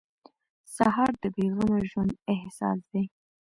سهار د بې غمه ژوند احساس دی.